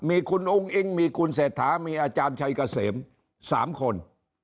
มีคุณอุ้งอิงมีคุณเศรษฐามีอาจารย์ชัยเกษม๓คน